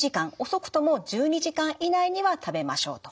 遅くとも１２時間以内には食べましょうと。